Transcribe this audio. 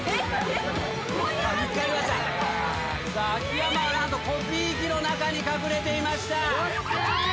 秋山は何とコピー機の中に隠れていました。